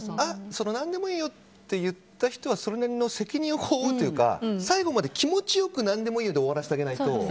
何でもいいよって言った人はそれなりの責任をこうむるというか最後まで気持ち良く何でもいいよで終わらせてあげないと。